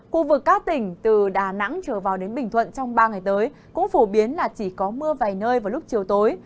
khu vực các tỉnh từ đà nẵng trở vào đến bình thuận trong ba ngày tới cũng phổ biến là chỉ có mưa vài nơi vào lúc chiều tối